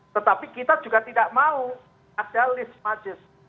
tetapi kita juga tidak mau ada list majes